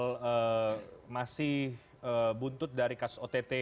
masing masing yang masih buntut dari kasus ott